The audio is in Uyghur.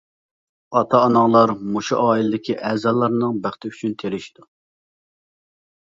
ئاتا-ئاناڭلار مۇشۇ ئائىلىدىكى ئەزالارنىڭ بەختى ئۈچۈن تىرىشىدۇ.